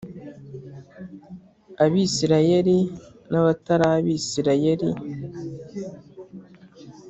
Abisirayeli n abatari Abisirayeli